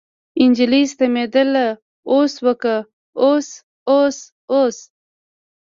نجلۍ ستمېدله اوس وکه اوس اوس اوس.